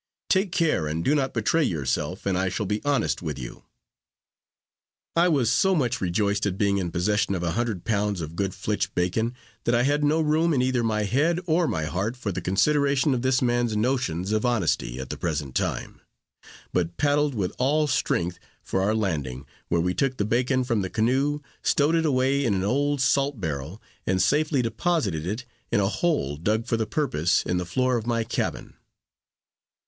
Take care, and do not betray yourself, and I shall be honest with you." I was so much rejoiced at being in possession of a hundred pounds of good flitch bacon, that I had no room in either my head or my heart for the consideration of this man's notions of honesty, at the present time; but paddled with all strength for our landing, where we took the bacon from the canoe, stowed it away in an old salt barrel, and safely deposited it in a hole dug for the purpose in the floor of my cabin.